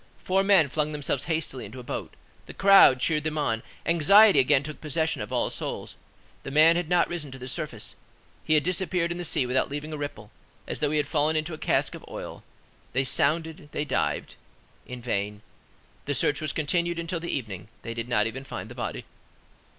Four men flung themselves hastily into a boat; the crowd cheered them on; anxiety again took possession of all souls; the man had not risen to the surface; he had disappeared in the sea without leaving a ripple, as though he had fallen into a cask of oil: they sounded, they dived. In vain. The search was continued until the evening: they did not even find the body.